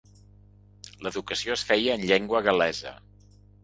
L'educació es feia en llengua gal·lesa.